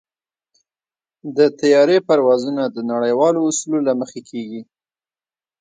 د طیارې پروازونه د نړیوالو اصولو له مخې کېږي.